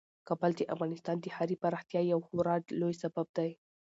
کابل د افغانستان د ښاري پراختیا یو خورا لوی سبب دی.